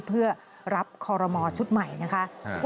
เพื่อรับคอรมอชุดใหม่นะคะ